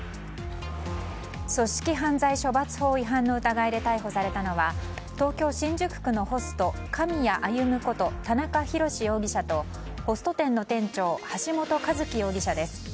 組織犯罪処罰法違反の疑いで逮捕されたのは東京・新宿区のホスト狼谷歩こと田中裕志容疑者とホスト店の店長橋本一喜容疑者です。